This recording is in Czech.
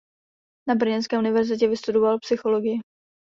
Na brněnské univerzitě vystudoval psychologii.